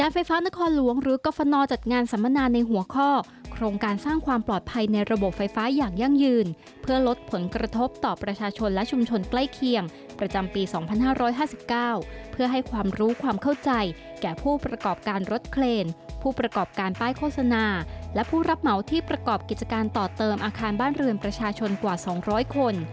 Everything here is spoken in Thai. เป็นอย่างไรนั้นเดี๋ยวเรามาติดตามข่าวนี้กันนะครับ